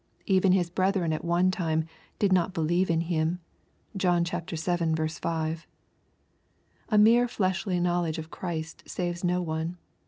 Even His brethren at one time " did not believe in him." (John vii. 5.) A mere fleshly knowledge of Christ saves no one.